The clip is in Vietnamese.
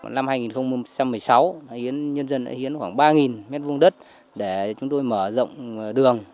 năm hai nghìn một mươi sáu anh nhân dân đã hiến khoảng ba m hai đất để chúng tôi mở rộng đường